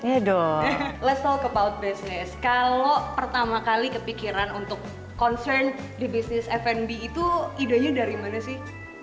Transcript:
iduh kalau pertama kali kepikiran untuk concern di bisnis fnb itu idenya dari mana sih